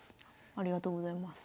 ありがとうございます。